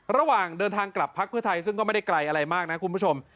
ระหว่างเดินทางกลับพักเพื่อไทยซึ่งก็ไม่ได้ไกลอะไรมากนะคุณผู้ชม